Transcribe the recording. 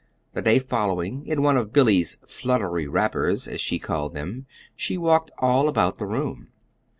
The day following, in one of Billy's "fluttery wrappers," as she called them, she walked all about the room.